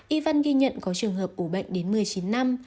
y văn ghi nhận có trường hợp ủ bệnh đến một mươi chín năm